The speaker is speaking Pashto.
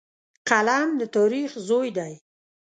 قلم د تاریخ زوی دی